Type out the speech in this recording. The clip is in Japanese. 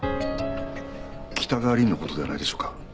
北川凛の事ではないでしょうか？